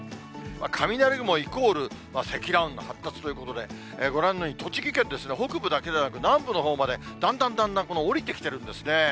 雷雲イコール積乱雲の発達ということで、ご覧のように、栃木県ですね、北部だけでなく、南部のほうまで、だんだんだんだん下りてきてるんですね。